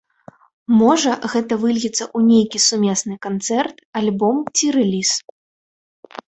Можа, гэта выльецца ў нейкі сумесны канцэрт, альбом ці рэліз.